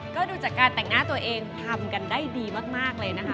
ก็ดูจากการแต่งหน้าตัวเองทำกันได้ดีมากเลยนะคะ